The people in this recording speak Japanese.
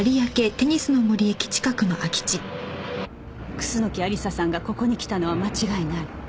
楠木亜理紗さんがここに来たのは間違いない